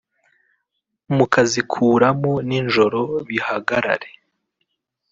mukazikuramo ninjoro bihagarare